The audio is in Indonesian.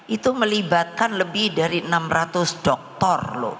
itu melibatkan lebih dari enam ratus doktor loh